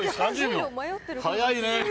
早いね。